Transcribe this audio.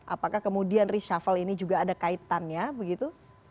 apakah kemudian reshuffle ini juga ada kaitannya begitu